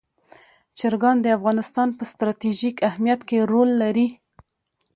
چرګان د افغانستان په ستراتیژیک اهمیت کې رول لري.